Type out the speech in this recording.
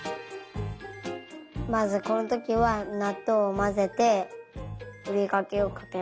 まずこのときはなっとうをまぜてふりかけをかける。